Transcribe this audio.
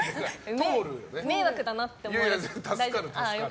迷惑だなって思ってます？